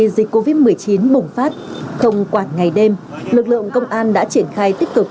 dịch covid một mươi chín bùng phát không quản ngày đêm lực lượng công an đã triển khai tích cực